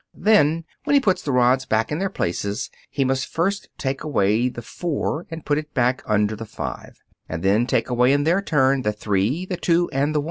Then, when he puts the rods back in their places, he must first take away the 4 and put it back under the 5, and then take away in their turn the 3, the 2, the 1.